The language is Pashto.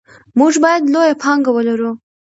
موږ باید لویه پانګه ولرو.